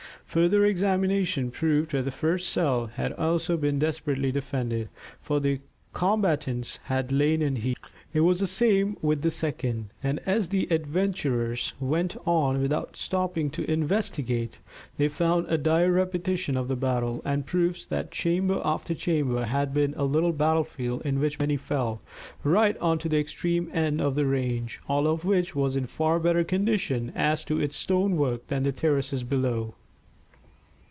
Further examination proved that the first cell had also been desperately defended, for the combatants had lain in heaps. It was the same with the second, and as the adventurers went on without stopping to investigate, they found a dire repetition of the battle, and proofs that chamber after chamber had been a little battle field in which many fell, right on to the extreme end of the range, all of which was in far better condition as to its stone work than the terraces below.